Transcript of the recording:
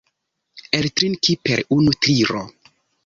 Eltrinki per unu tiro.